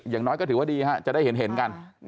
อย่างน้อยก็ถือว่าดีจะได้เห็นกัน